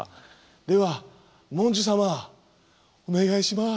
ではモンジュ様お願いします。